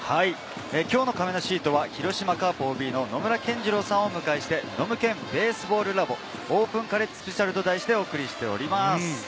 きょうのかめなシートは、広島カープＯＢの野村謙二郎さんをお迎えして、「ノムケン・ベースボールラボ・オープンカレッジスペシャル」と題してお送りしております。